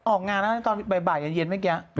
ออกงานแล้วตอนบ่ายเย็นเมื่อกี้